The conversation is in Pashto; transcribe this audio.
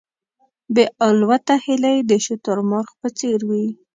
بې الوته هیلۍ د شتر مرغ په څېر وې.